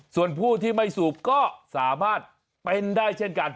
ส่วนผู้ที่ไม่สูบก็สามารถเป็นได้เช่นกัน